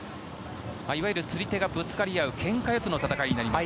いわゆる釣り手がぶつかり合うけんか四つになります。